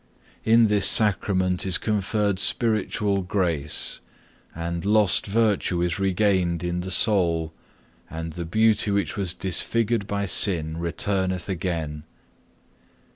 In this Sacrament is conferred spiritual grace, and lost virtue is regained in the soul, and the beauty which was disfigured by sin returneth again.